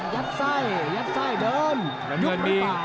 ยัดไส้ยัดไส้เดิน